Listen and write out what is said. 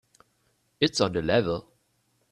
It's on the level.